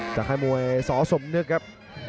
ค่ายมวยสอสมนึกครับ